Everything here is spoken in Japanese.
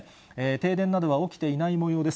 停電などは起きていないもようです。